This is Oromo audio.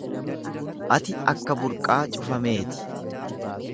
Ati akka burqaa cufamee ti.